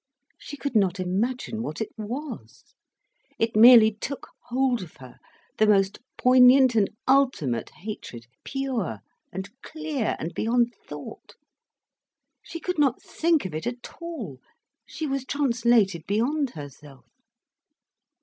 She could not imagine what it was. It merely took hold of her, the most poignant and ultimate hatred, pure and clear and beyond thought. She could not think of it at all, she was translated beyond herself.